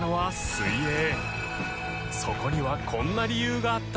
そこにはこんな理由があった。